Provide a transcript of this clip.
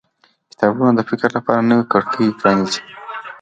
کتابونه د فکر لپاره نوې کړکۍ پرانیزي